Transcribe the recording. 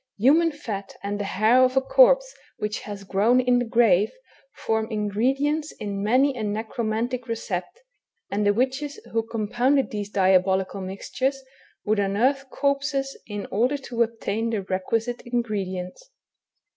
Human fat and the hair of a corpse which has grown in the grave, form ingredients in many a necromantic receipt, and the witches who compounded these diabolical mixtures, would unearth corpses in order to obtain the requisite ingredients.